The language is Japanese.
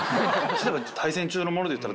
例えば。